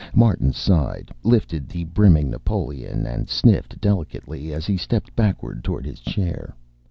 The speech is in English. Martin sighed, lifted the brimming Napoleon and sniffed delicately as he stepped backward toward his chair.